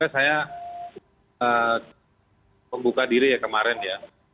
saya membuka diri ya kemarin ya